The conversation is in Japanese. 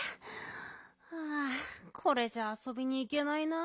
はあこれじゃあそびにいけないな。